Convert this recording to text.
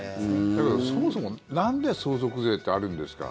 だけど、そもそもなんで相続税ってあるんですか？